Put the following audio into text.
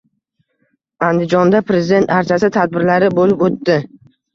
Andijonda "Prezident archasi" tadbirlari bo‘lib o‘tdi